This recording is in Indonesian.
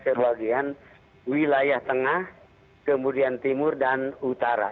sebagian wilayah tengah kemudian timur dan utara